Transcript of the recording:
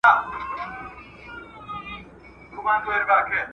جرګه د بهرنیو ځواکونو شتون څنګه څیړي؟